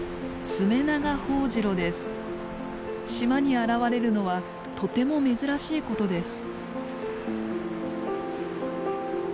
島に現れるのはとても珍しいことです。